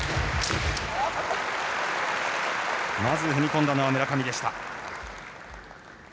まず踏み込んだのは村上でした。